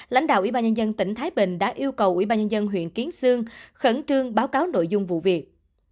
lãnh đạo ủy ban nhân dân tỉnh thái bình đã yêu cầu ủy ban nhân dân huyện kiến sương khẩn trương báo cáo nội dung vụ việc